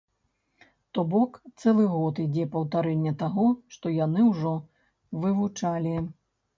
То бок цэлы год ідзе паўтарэнне таго, што яны ўжо вывучалі.